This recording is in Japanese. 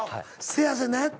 せやせや。